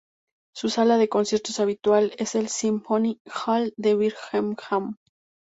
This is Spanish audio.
Su sala de conciertos habitual es el Symphony Hall de Birmingham.